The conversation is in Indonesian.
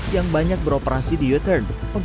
yang banyak beroperasi di u turn